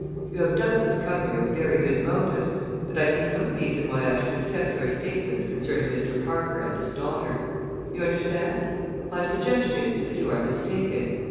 You have doubtless come here with very good motives, but I see no reason why I should accept your statements concerning Mr. Parker and his daughter. You understand? My suggestion is that you are mistaken.